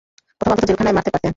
অথবা অন্তত জেলখানায় মারতে পারতেন।